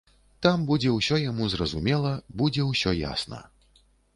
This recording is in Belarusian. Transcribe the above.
Там будзе ўсё яму зразумела, будзе ўсё ясна.